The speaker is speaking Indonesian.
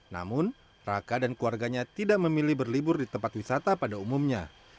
namun raka dan keluarganya tidak memilih berlibur di tempat wisata pada umumnya